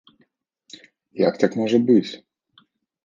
Як так можа быць?!